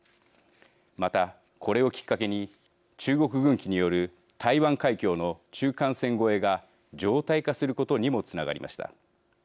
またこれをきっかけに中国軍機による台湾海峡の中間線越えが常態化することにもつながりました。